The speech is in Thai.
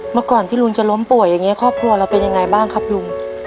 เมื่อก่อนที่ลุงจะล้มป่วยอย่างนี้ครอบครัวเราเป็นยังไงบ้างครับลุง